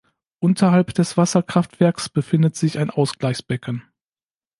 Unterhalb des Wasserkraftwerks befindet sich ein Ausgleichsbecken.